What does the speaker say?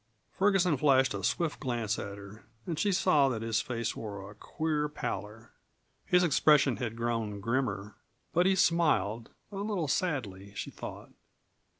Ferguson flashed a swift glance at her, and she saw that his face wore a queer pallor. His expression had grown grimmer, but he smiled a little sadly, she thought.